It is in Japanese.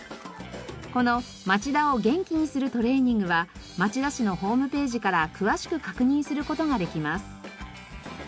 この町田を元気にするトレーニングは町田市のホームページから詳しく確認する事ができます。